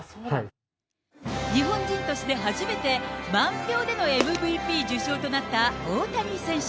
日本人として初めて満票でのＭＶＰ受賞となった大谷選手。